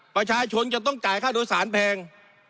ประชาชนจะต้องจ่ายค่าโดยสารแพง